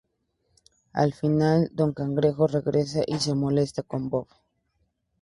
Al final Don Cangrejo regresa y se molesta con Bob.